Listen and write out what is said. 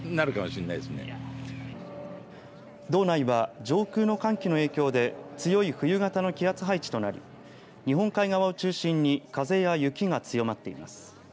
道内は上空の寒気の影響で強い冬型の気圧配置となり日本海側を中心に風や雪が強まっています。